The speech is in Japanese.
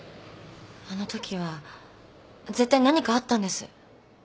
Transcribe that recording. あのときは絶対何かあったんです。